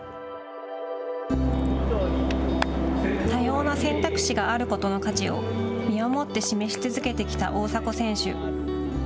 多様な選択肢があることの価値を身をもって示し続けてきた大迫選手。